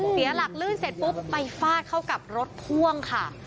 เสียหลักลื่นเสร็จปุ๊บไปฟาดเข้ากับรถพ่วงค่ะ